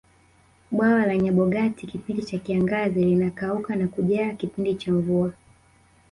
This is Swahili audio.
bwawa la nyabogati kipindi cha kiangazi linakauka na kujaa kipindi cha mvua